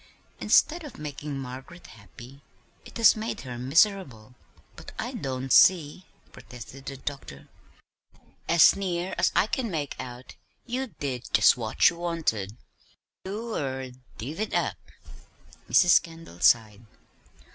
"Instead of making Margaret happy, it has made her miserable." "But I don't see," protested the doctor. "As near as I can make out you did just what she wanted; you er 'divvied up.'" Mrs. Kendall sighed.